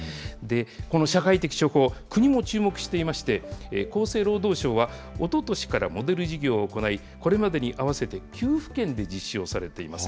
この社会的処方、国も注目していまして、厚生労働省は、おととしからモデル事業を行い、これまでに合わせて９府県で実施をされています。